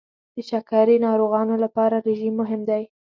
د شکرې ناروغانو لپاره رژیم مهم دی.